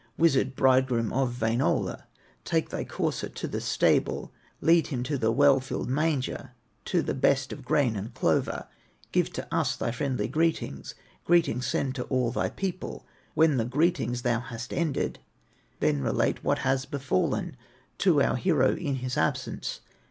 "Wizard bridegroom of Wainola, Take thy courser to the stable, Lead him to the well filled manger, To the best of grain and clover; Give to us thy friendly greetings, Greetings send to all thy people. When thy greetings thou hast ended, Then relate what has befallen To our hero in his absence.